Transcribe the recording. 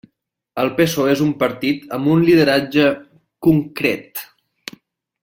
El PSOE és un partit amb un lideratge concret.